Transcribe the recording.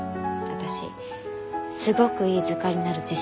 すごくいい図鑑になる自信があります。